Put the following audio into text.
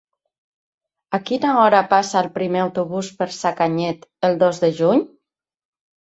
A quina hora passa el primer autobús per Sacanyet el dos de juny?